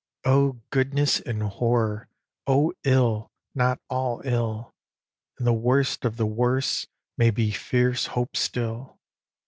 O goodness in horror! O ill not all ill! In the worst of the worst may be fierce Hope still.